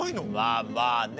まあまあね。